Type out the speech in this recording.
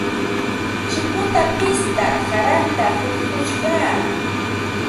Chikuta pishtar qaranta hurqushqaa.